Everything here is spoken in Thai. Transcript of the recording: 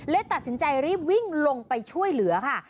ตัดสินใจรีบวิ่งลงไปช่วยเหลือค่ะ